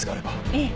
ええ。